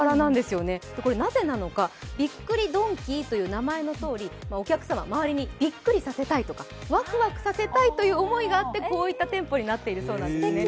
なぜなのか、びっくりドンキーという名前のとおりお客様、周りにびっくりさせたいとかワクワクさせたいという思いがあってこういった店舗になっているそうなんですね。